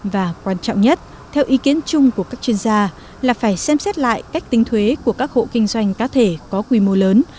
và quan trọng nhất theo ý kiến chung của các chuyên gia là phải xem xét lại cách tính thuế của các hộ kinh doanh cá thể có quy mô lớn